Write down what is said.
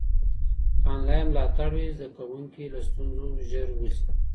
که انلاین ملاتړ وي، زده کوونکي له ستونزو ژر وځي.